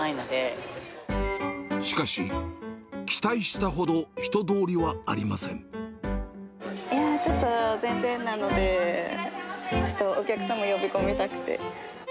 しかし、期待したほど人通りちょっと、全然なので、ちょっとお客様呼び込みたくて。